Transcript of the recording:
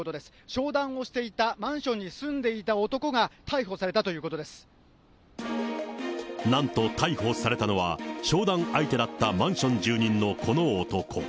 商談をしていたマンションに住んでいた男が逮捕されたということなんと逮捕されたのは、商談相手だったマンション住人のこの男。